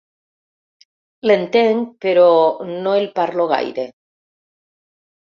L'entenc, però no el parlo gaire.